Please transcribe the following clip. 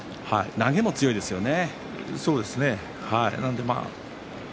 投げも強いですよね。